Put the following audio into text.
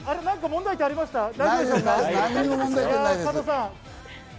何か問題点ありました？